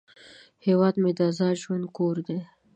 هیواد مې د آزاد انسان کور دی